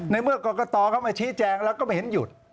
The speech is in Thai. ในเมื่อกรกตเข้ามาชี้แจงแล้วก็ไม่เห็นหยุด